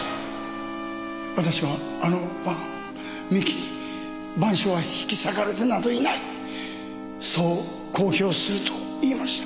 私はあの晩三木に『晩鐘』は引き裂かれてなどいない！そう公表すると言いました。